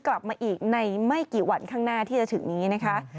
กลับมาอีกในไม่กี่วันข้างหน้าที่จะถึงนี้นะคะ